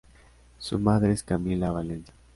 Su madre es Camila Valencia.